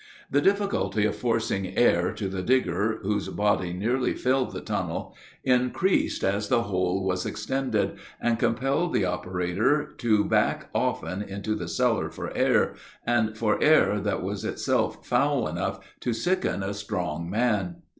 The difficulty of forcing air to the digger, whose body nearly filled the tunnel, increased as the hole was extended, and compelled the operator to back often into the cellar for air, and for air that was itself foul enough to sicken a strong man.